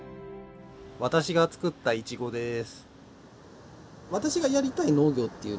私が作ったいちごです。